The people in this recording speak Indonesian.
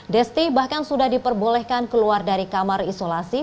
desti bahkan sudah diperbolehkan keluar dari kamar isolasi